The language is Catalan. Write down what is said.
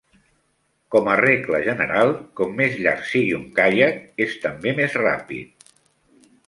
Com a regla general, com més llarg sigui un caiac, és també més ràpid.